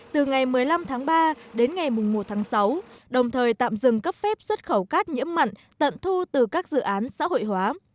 từ ngày một mươi năm tháng ba đến ngày một tháng sáu đồng thời tạm dừng cấp phép xuất khẩu cát nhiễm mặn tận thu từ các dự án xã hội hóa